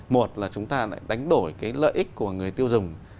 một là chúng ta lại đánh đổi cái lợi ích của người tiêu dùng